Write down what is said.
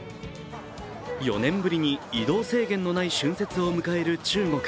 ４年ぶりに移動制限のない春節を迎える中国。